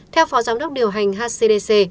theo phó giám đốc điều hành hcdc